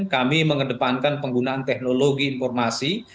kami mengedepankan penggunaan teknologi informasi